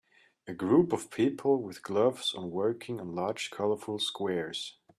A group of people with gloves on working on large colorful squares.